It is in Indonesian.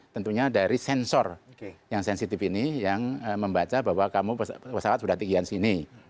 tentunya dari sensor yang sensitif ini yang membaca bahwa kamu pesawat sudah tinggi yang sini